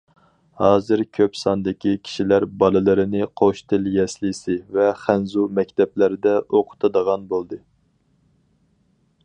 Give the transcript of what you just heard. ھازىر كۆپ ساندىكى كىشىلەر بالىلىرىنى‹‹ قوش تىل›› يەسلىسى ۋە خەنزۇ مەكتەپلەردە ئوقۇتىدىغان بولدى.